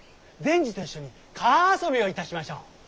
善児と一緒に川遊びをいたしましょう。